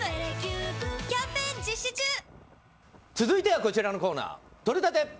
続いてはこちらのコーナーとれたて！